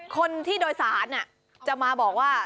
คนที่โดยสารจะมาบอกว่า